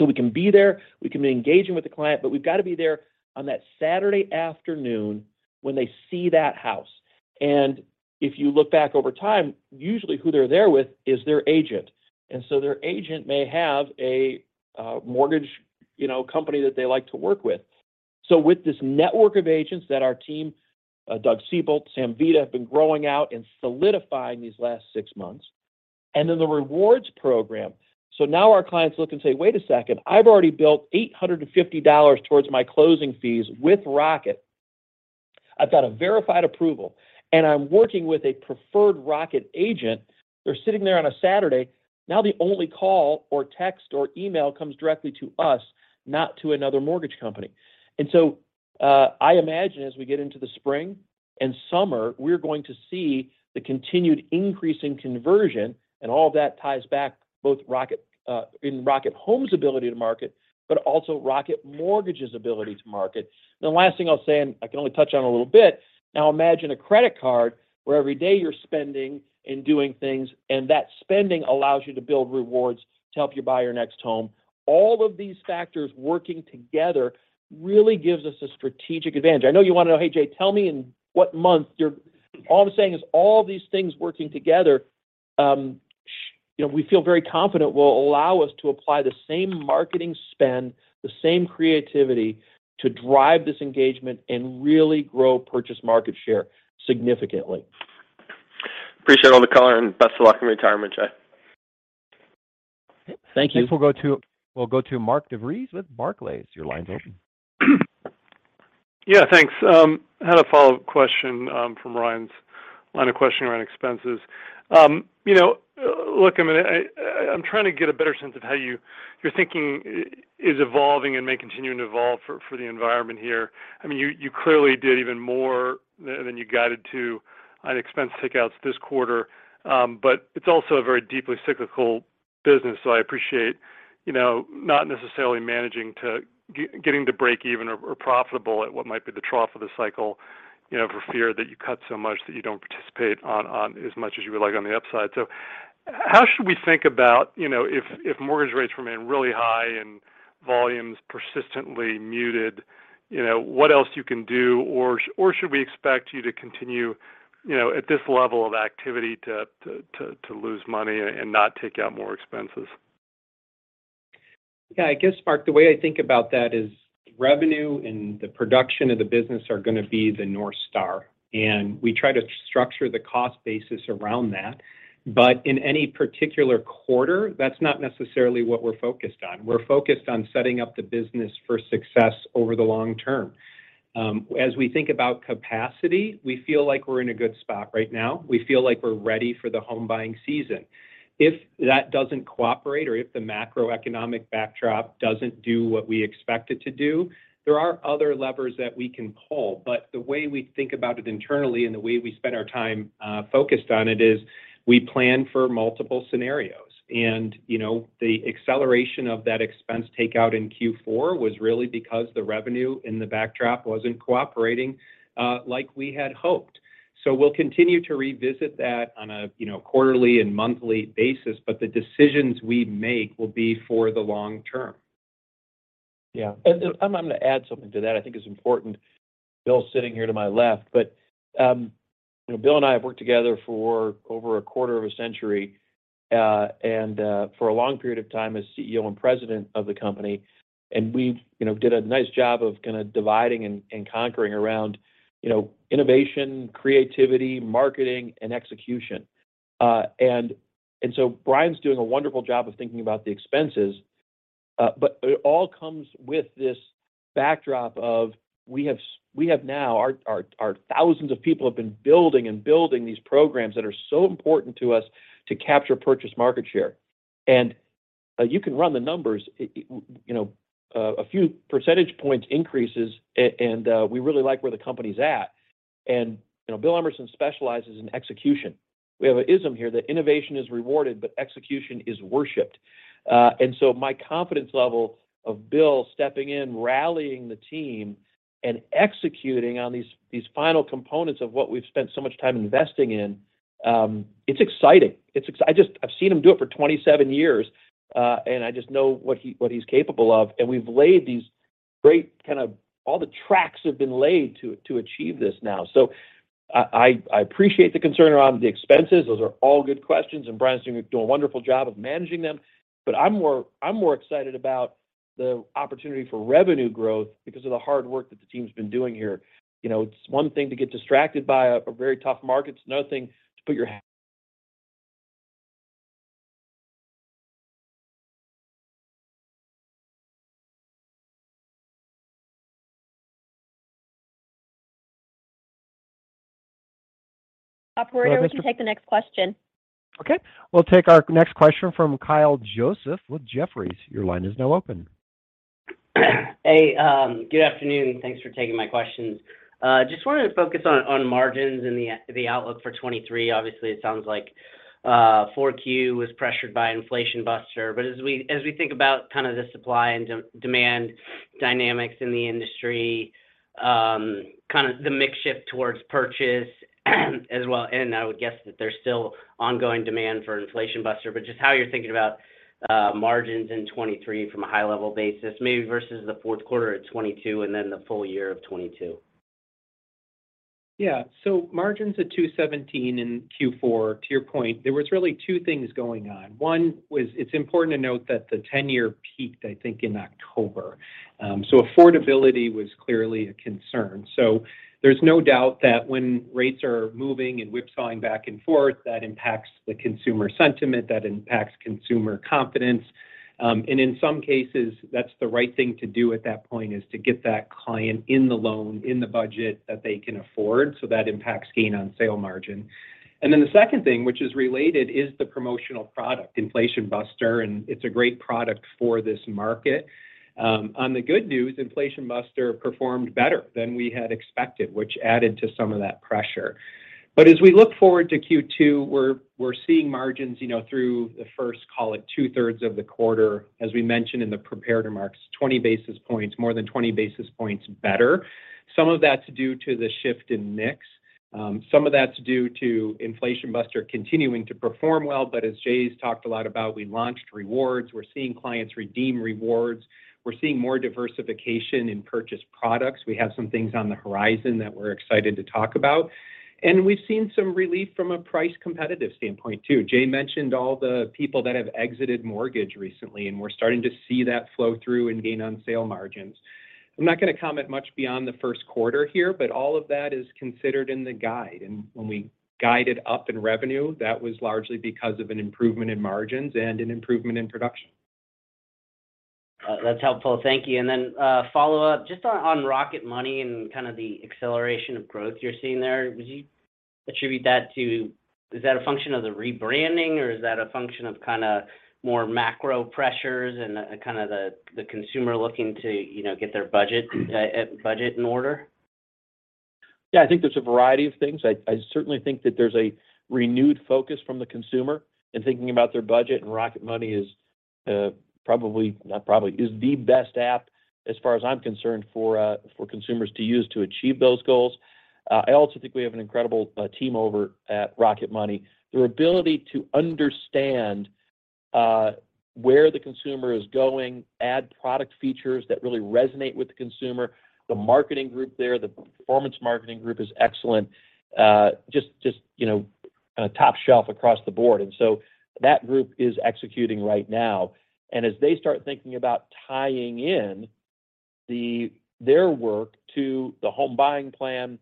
We can be there, we can be engaging with the client, but we've got to be there on that Saturday afternoon when they see that house. If you look back over time, usually who they're there with is their agent. Their agent may have a mortgage, you know, company that they like to work with. With this network of agents that our team, Doug Seabolt, Sam Vida, have been growing out and solidifying these last six months, and then the rewards program. Our clients look and say, "Wait a second, I've already built $850 towards my closing fees with Rocket. I've got a Verified Approval, and I'm working with a preferred Rocket agent." They're sitting there on a Saturday. The only call or text or email comes directly to us, not to another mortgage company. I imagine as we get into the spring and summer, we're going to see the continued increase in conversion, and all that ties back both Rocket, in Rocket Homes' ability to market, but also Rocket Mortgage's ability to market. The last thing I'll say, and I can only touch on a little bit, now imagine a credit card where every day you're spending and doing things, and that spending allows you to build rewards to help you buy your next home. All of these factors working together really gives us a strategic advantage. I know you want to know, "Hey Jay, tell me in what month you're..." All I'm saying is all these things working together, you know, we feel very confident will allow us to apply the same marketing spend, the same creativity to drive this engagement and really grow purchase market share significantly. Appreciate all the color, and best of luck in retirement, Jay. Thank you. Next we'll go to Mark DeVries with Barclays. Your line's open. Thanks. Had a follow-up question from Ryan's line of questioning around expenses. You know, look, I mean, I'm trying to get a better sense of how your thinking is evolving and may continue to evolve for the environment here. I mean, you clearly did even more than you guided to on expense take outs this quarter. It's also a very deeply cyclical business, so I appreciate, you know, not necessarily managing to getting to break even or profitable at what might be the trough of the cycle, you know, for fear that you cut so much that you don't participate on as much as you would like on the upside. How should we think about, you know, if mortgage rates remain really high and volumes persistently muted, you know, what else you can do, or should we expect you to continue, you know, at this level of activity to lose money and not take out more expenses? Yeah, I guess, Mark, the way I think about that is revenue and the production of the business are gonna be the North Star. We try to structure the cost basis around that. In any particular quarter, that's not necessarily what we're focused on. We're focused on setting up the business for success over the long term. As we think about capacity, we feel like we're in a good spot right now. We feel like we're ready for the home buying season. If that doesn't cooperate or if the macroeconomic backdrop doesn't do what we expect it to do, there are other levers that we can pull. The way we think about it internally and the way we spend our time focused on it is we plan for multiple scenarios. You know, the acceleration of that expense takeout in Q4 was really because the revenue in the backdrop wasn't cooperating, like we had hoped. We'll continue to revisit that on a, you know, quarterly and monthly basis, but the decisions we make will be for the long term. Yeah. And I'm gonna add something to that I think is important. Bill's sitting here to my left. You know, Bill and I have worked together for over a quarter of a century, and for a long period of time as CEO and President of the company. We've, you know, did a nice job of kinda dividing and conquering around, you know, innovation, creativity, marketing, and execution. Brian's doing a wonderful job of thinking about the expenses. It all comes with this backdrop of we have now, our thousands of people have been building these programs that are so important to us to capture purchase market share. You can run the numbers. You know, a few percentage points increases and we really like where the company's at. You know, Bill Emerson specializes in execution. We have an ism here that innovation is rewarded, but execution is worshipped. My confidence level of Bill stepping in, rallying the team, and executing on these final components of what we've spent so much time investing in, it's exciting. I just, I've seen him do it for 27 years, and I just know what he's capable of. We've laid these great kind of, all the tracks have been laid to achieve this now. I appreciate the concern around the expenses. Those are all good questions. Brian's doing a wonderful job of managing them. I'm more excited about the opportunity for revenue growth because of the hard work that the team's been doing here. You know, it's one thing to get distracted by a very tough market. It's another thing to put your head. Operator, we can take the next question. Okay. We'll take our next question from Kyle Joseph with Jefferies. Your line is now open. Hey, good afternoon. Thanks for taking my questions. just wanted to focus on margins and the outlook for 2023. Obviously, it sounds like, Q4 was pressured by Inflation Buster. As we think about kind of the supply and demand dynamics in the industry, kind of the mix shift towards purchase as well. I would guess that there's still ongoing demand for Inflation Buster, but just how you're thinking about, margins in 2023 from a high level basis maybe versus the fourth quarter of 2022, and then the full year of 2022. Yeah. margins at 217 in Q4, to your point, there was really two things going on. One was it's important to note that the 10-year peaked, I think, in October. affordability was clearly a concern. There's no doubt that when rates are moving and whipsawing back and forth, that impacts the consumer sentiment, that impacts consumer confidence. In some cases, that's the right thing to do at that point, is to get that client in the loan, in the budget that they can afford, so that impacts gain on sale margin. Then the second thing, which is related, is the promotional product, Inflation Buster, and it's a great product for this market. On the good news, Inflation Buster performed better than we had expected, which added to some of that pressure. As we look forward to Q2, we're seeing margins, you know, through the first, call it two-thirds of the quarter, as we mentioned in the prepared remarks, 20 basis points, more than 20 basis points better. Some of that's due to the shift in mix. Some of that's due to Inflation Buster continuing to perform well. As Jay's talked a lot about, we launched rewards. We're seeing clients redeem rewards. We're seeing more diversification in purchase products. We have some things on the horizon that we're excited to talk about. We've seen some relief from a price competitive standpoint too. Jay mentioned all the people that have exited mortgage recently, and we're starting to see that flow through and gain on sale margins. I'm not going to comment much beyond the first quarter here. All of that is considered in the guide. When we guided up in revenue, that was largely because of an improvement in margins and an improvement in production. That's helpful. Thank you. Follow up just on Rocket Money and kind of the acceleration of growth you're seeing there. Is that a function of the rebranding, or is that a function of kind of more macro pressures and the consumer looking to, you know, get their budget in order? Yeah, I think there's a variety of things. I certainly think that there's a renewed focus from the consumer in thinking about their budget. Rocket Money is not probably, is the best app as far as I'm concerned for consumers to use to achieve those goals. I also think we have an incredible team over at Rocket Money. Their ability to understand where the consumer is going, add product features that really resonate with the consumer. The marketing group there, the performance marketing group is excellent. Just, you know, top shelf across the board. That group is executing right now. As they start thinking about tying in their work to the Home Buying Plan,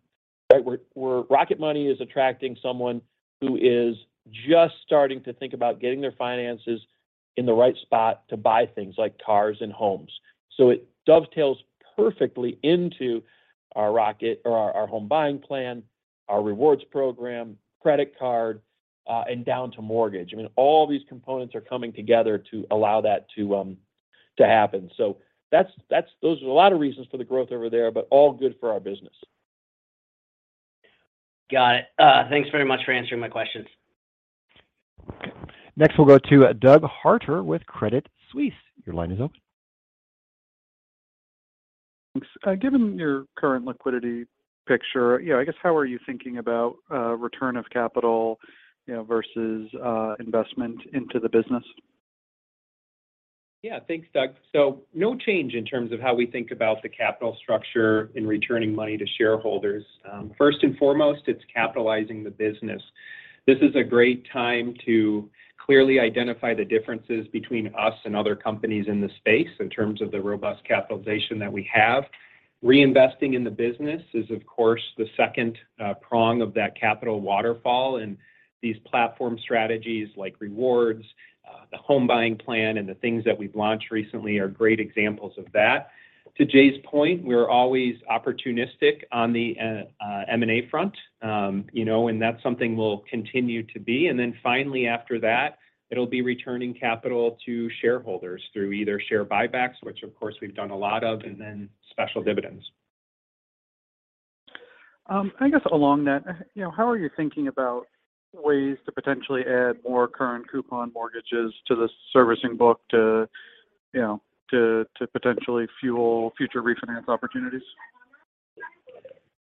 right? Rocket Money is attracting someone who is just starting to think about getting their finances in the right spot to buy things like cars and homes. It dovetails perfectly into our Home Buying Plan, our Rocket Rewards program, credit card, and down to mortgage. I mean, all these components are coming together to allow that to happen. Those are a lot of reasons for the growth over there, but all good for our business. Got it. Thanks very much for answering my questions. Next, we'll go to Douglas Harter with Credit Suisse. Your line is open. Thanks. Given your current liquidity picture, you know, I guess how are you thinking about return of capital, you know, versus investment into the business? Thanks, Douglas. No change in terms of how we think about the capital structure in returning money to shareholders. First and foremost, it's capitalizing the business. This is a great time to clearly identify the differences between us and other companies in the space in terms of the robust capitalization that we have. Reinvesting in the business is of course the second prong of that capital waterfall. These platform strategies like rewards, the Home Buying Plan and the things that we've launched recently are great examples of that. To Jay's point, we're always opportunistic on the M&A front. You know, and that's something we'll continue to be. Finally after that, it'll be returning capital to shareholders through either share buybacks, which of course we've done a lot of, and then special dividends. I guess along that, you know, how are you thinking about ways to potentially add more current coupon mortgages to the servicing book to, you know, to potentially fuel future refinance opportunities?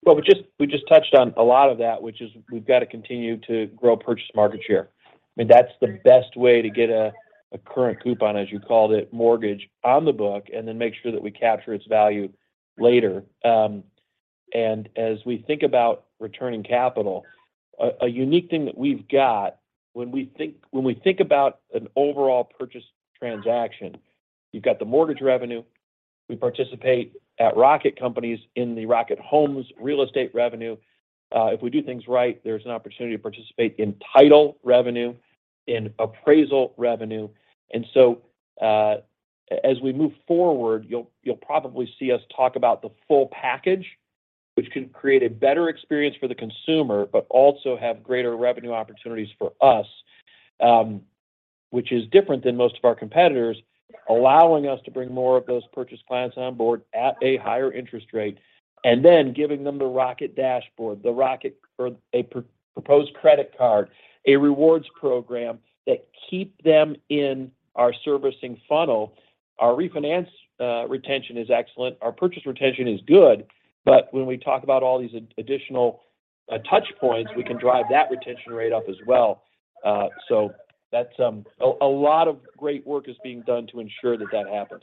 Well, we just touched on a lot of that, which is we've got to continue to grow purchase market share. I mean, that's the best way to get a current coupon, as you called it, mortgage on the book, and then make sure that we capture its value later. As we think about returning capital, a unique thing that we've got when we think about an overall purchase transaction, you've got the mortgage revenue. We participate at Rocket Companies in the Rocket Homes real estate revenue. If we do things right, there's an opportunity to participate in title revenue, in appraisal revenue. As we move forward, you'll probably see us talk about the full package which can create a better experience for the consumer but also have greater revenue opportunities for us. Which is different than most of our competitors, allowing us to bring more of those purchase clients on board at a higher interest rate, and then giving them the Rocket Dashboard, or a proposed credit card, a rewards program that keep them in our servicing funnel. Our refinance retention is excellent. Our purchase retention is good. When we talk about all these additional touch points, we can drive that retention rate up as well. A lot of great work is being done to ensure that that happens.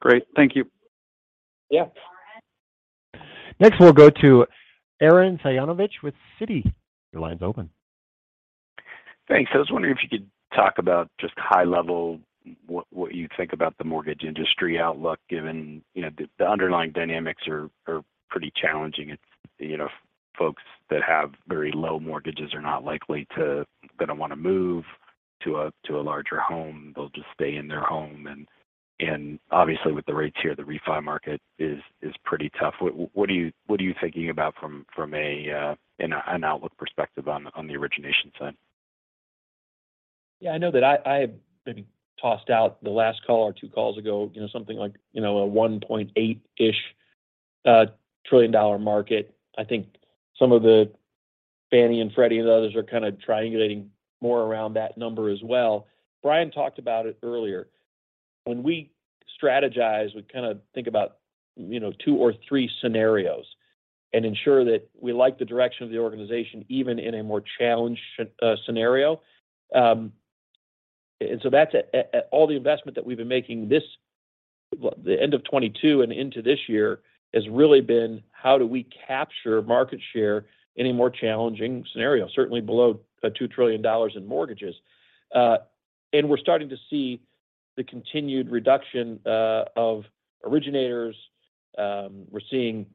Great. Thank you. Yeah. Next, we'll go to Arren Cyganovich with Citi. Your line's open. Thanks. I was wondering if you could talk about just high level what you think about the mortgage industry outlook given, you know, the underlying dynamics are pretty challenging. You know, folks that have very low mortgages are not likely to wanna move to a larger home. They'll just stay in their home. Obviously with the rates here, the refi market is pretty tough. What are you thinking about from an outlook perspective on the origination side? Yeah, I know that I maybe tossed out the last call or two calls ago, you know, something like, you know, a $1.8-ish trillion market. I think some of the Fannie and Freddie and others are kind of triangulating more around that number as well. Brian talked about it earlier. When we strategize, we kinda think about, you know, two or three scenarios and ensure that we like the direction of the organization even in a more challenged scenario. That's it. All the investment that we've been making this, well, the end of 2022 and into this year has really been how do we capture market share in a more challenging scenario, certainly below $2 trillion in mortgages. We're starting to see the continued reduction of originators. We're seeing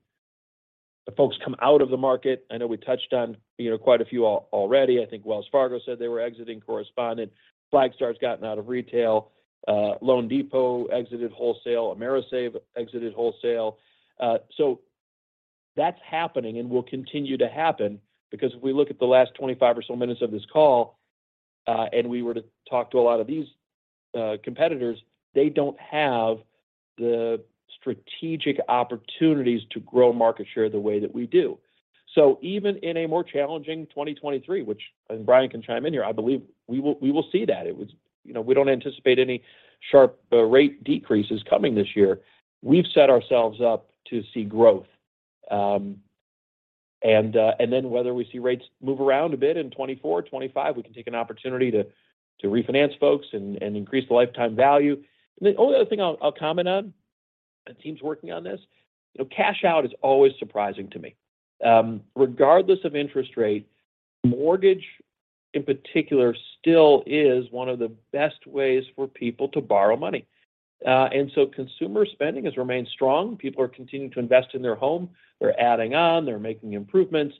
the folks come out of the market. I know we touched on, you know, quite a few already. I think Wells Fargo said they were exiting correspondent. Flagstar's gotten out of retail, loanDepot exited wholesale. AmeriSave exited wholesale. So that's happening and will continue to happen because if we look at the last 25 or so minutes of this call, and we were to talk to a lot of these competitors, they don't have the strategic opportunities to grow market share the way that we do. Even in a more challenging 2023, which, and Brian can chime in here, I believe we will see that. It was, you know, we don't anticipate any sharp rate decreases coming this year. We've set ourselves up to see growth. Then whether we see rates move around a bit in 24, 25, we can take an opportunity to refinance folks and increase the lifetime value. The only other thing I'll comment on, the team's working on this. You know, cash out is always surprising to me. Regardless of interest rate, mortgage in particular still is one of the best ways for people to borrow money. So consumer spending has remained strong. People are continuing to invest in their home. They're adding on, they're making improvements.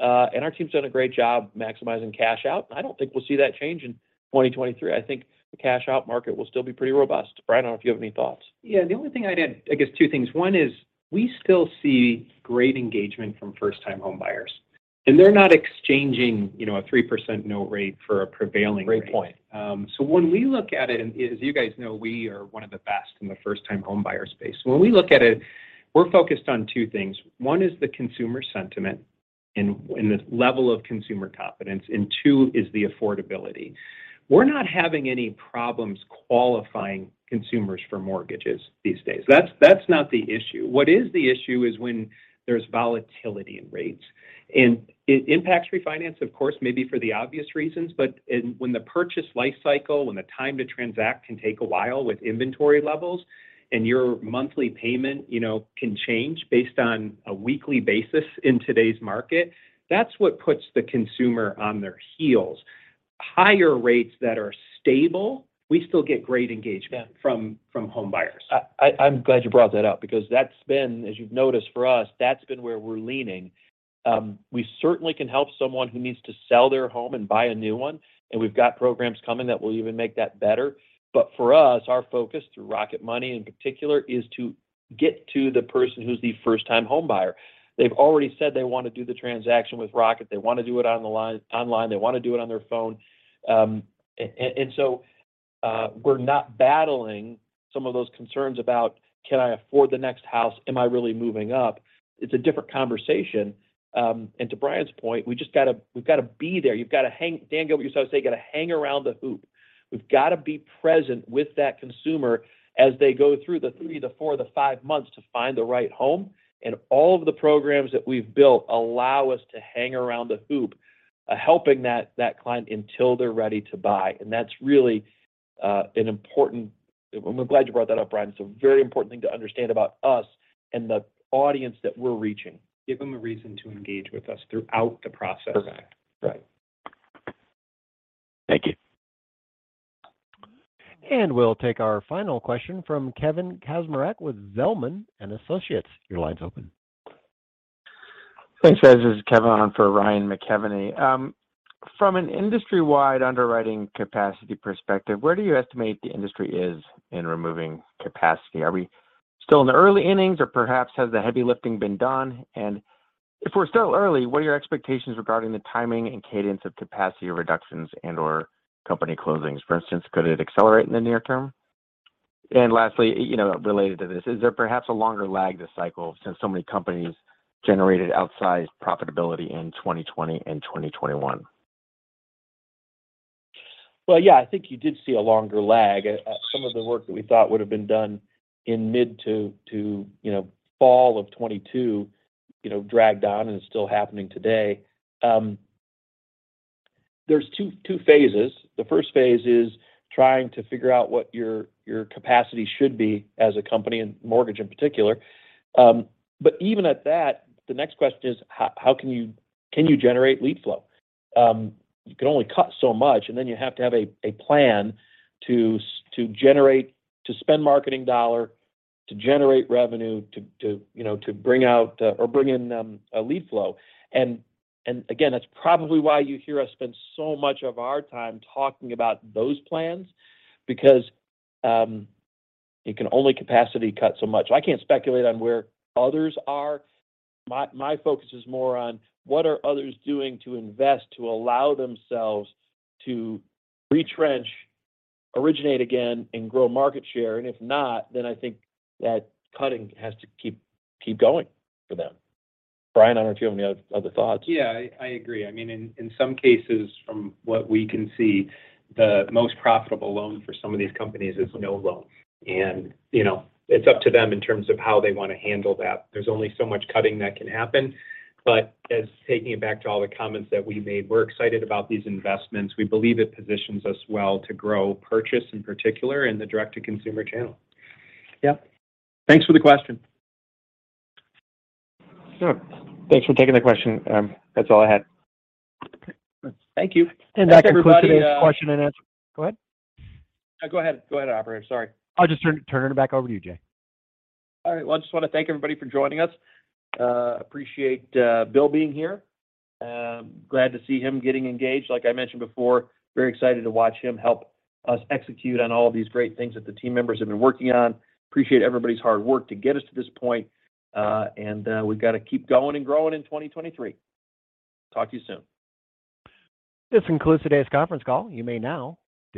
Our team's done a great job maximizing cash out. I don't think we'll see that change in 2023. I think the cash out market will still be pretty robust. Brian, I don't know if you have any thoughts. Yeah. The only thing I'd add, I guess two things. One is we still see great engagement from first-time homebuyers. They're not exchanging, you know, a 3% note rate for a prevailing rate. Great point. When we look at it, and as you guys know, we are one of the best in the first-time homebuyer space. When we look at it, we're focused on two things. One is the consumer sentiment and the level of consumer confidence, and two is the affordability. We're not having any problems qualifying consumers for mortgages these days. That's not the issue. What is the issue is when there's volatility in rates. It impacts refinance, of course, maybe for the obvious reasons. When the purchase life cycle, when the time to transact can take a while with inventory levels, and your monthly payment, you know, can change based on a weekly basis in today's market, that's what puts the consumer on their heels. Higher rates that are stable, we still get great engagement. Yeah... from homebuyers. I'm glad you brought that up because that's been, as you've noticed for us, that's been where we're leaning. We certainly can help someone who needs to sell their home and buy a new one, and we've got programs coming that will even make that better. But for us, our focus through Rocket Money in particular, is to get to the person who's the first-time homebuyer. They've already said they want to do the transaction with Rocket. They want to do it on the line, online. They want to do it on their phone. So, we're not battling some of those concerns about, "Can I afford the next house? Am I really moving up?" It's a different conversation. And to Brian's point, we just gotta, we've gotta be there. Daniel Gilbert used to always say, "You gotta hang around the hoop." We've gotta be present with that consumer as they go through the three, the four, the five months to find the right home. All of the programs that we've built allow us to hang around the hoop, helping that client until they're ready to buy. That's really an important... I'm glad you brought that up, Brian. It's a very important thing to understand about us and the audience that we're reaching. Give them a reason to engage with us throughout the process. Perfect. Right. Thank you. We'll take our final question from Kevin Kaczmarek with Zelman & Associates. Your line's open. Thanks, guys. This is Kevin on for Ryan McKeveny. From an industry-wide underwriting capacity perspective, where do you estimate the industry is in removing capacity? Are we still in the early innings, or perhaps has the heavy lifting been done? If we're still early, what are your expectations regarding the timing and cadence of capacity reductions and/or company closings? For instance, could it accelerate in the near term? Lastly, you know, related to this, is there perhaps a longer lag this cycle since so many companies generated outsized profitability in 2020 and 2021? Yeah, I think you did see a longer lag. Some of the work that we thought would have been done in mid to, you know, fall of 2022, you know, dragged on and it's still happening today. There's two phases. The first phase is trying to figure out what your capacity should be as a company in mortgage in particular. But even at that, the next question is how can you generate lead flow? You can only cut so much, and then you have to have a plan to generate, to spend marketing dollar, to generate revenue, to, you know, to bring out or bring in a lead flow. Again, that's probably why you hear us spend so much of our time talking about those plans because you can only capacity cut so much. I can't speculate on where others are. My, my focus is more on what are others doing to invest to allow themselves to retrench, originate again, and grow market share. If not, then I think that cutting has to keep going for them. Brian, I don't know if you have any other thoughts. Yeah, I agree. I mean, in some cases, from what we can see, the most profitable loan for some of these companies is no loan. You know, it's up to them in terms of how they want to handle that. There's only so much cutting that can happen. As taking it back to all the comments that we made, we're excited about these investments. We believe it positions us well to grow purchase in particular in the direct-to-consumer channel. Yeah. Thanks for the question. Sure. Thanks for taking the question. That's all I had. Thank you. Thanks, everybody. That concludes today's question and answer. Go ahead. No, go ahead. Go ahead, operator. Sorry. I'll just turn it back over to you, Jay. All right. Well, I just want to thank everybody for joining us. Appreciate Bill being here. Glad to see him getting engaged, like I mentioned before. Very excited to watch him help us execute on all of these great things that the team members have been working on. Appreciate everybody's hard work to get us to this point. We've got to keep going and growing in 2023. Talk to you soon. This concludes today's conference call.